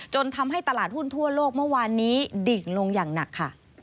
จนทำให้ตลาดหุ้นทั่วโลกเมื่อวานนี้ดิ่งลงอย่างหนักค่ะ